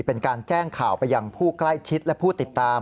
เป็นการแจ้งข่าวไปยังผู้ใกล้ชิดและผู้ติดตาม